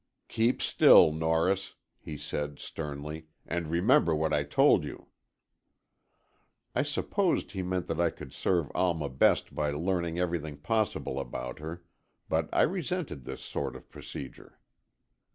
"Keep still, Norris," he said, sternly, "and remember what I told you." I supposed he meant that I could serve Alma best by learning everything possible about her, but I resented this sort of procedure.